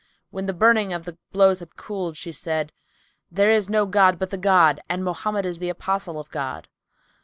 When the burning of the blows had cooled, she said, "There is no god but the God and Mohammed is the Apostle of God!